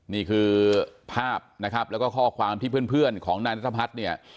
นี่คือภาพนะครับแล้วก็ข้อความที่เพื่อนของนายนัทพัฒน์เนี่ย